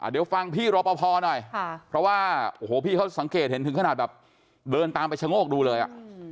เดี๋ยวฟังพี่รอปภหน่อยเพราะว่าโอ้โหพี่เขาสังเกตเห็นถึงขนาดแบบเดินตามไปชะโงกดูเลยอ่ะ